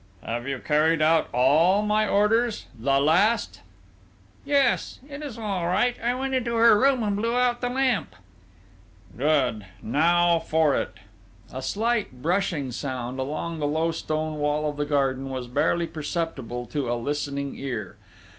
"Have you carried out all my orders ... the last?" "Yes, it is all right!... I went into her room and blew out the lamp." "Good! Now for it!..." A slight brushing sound, along the low stone wall of the garden, was barely perceptible to a listening ear.